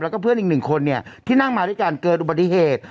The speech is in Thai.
แล้วก็เพื่อนอีกหนึ่งคนเนี่ยที่นั่งมาด้วยกันเกิดอุบัติเหตุ